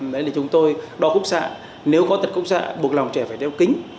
đấy là chúng tôi đo khúc xạ nếu có tật khúc xạ buộc lòng trẻ phải đeo kính